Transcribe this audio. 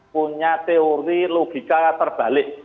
punya teori logika terbalik